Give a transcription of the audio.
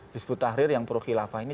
hizbut tahrir yang pro khilafah ini